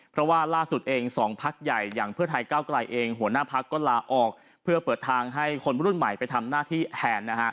เพราะว่าล่าสุดเองสองพักใหญ่อย่างเพื่อไทยก้าวไกลเองหัวหน้าพักก็ลาออกเพื่อเปิดทางให้คนรุ่นใหม่ไปทำหน้าที่แทนนะฮะ